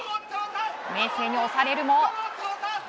明生に押されるも。